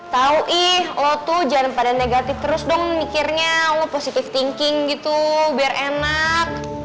tau ih lo tuh jangan pada negatif terus dong mikirnya lo positive thinking gitu biar enak